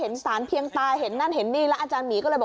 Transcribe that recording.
หรือหรือหรือหรือหรือหรือ